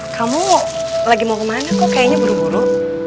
kamu lagi mau kemana kok kayaknya buru buru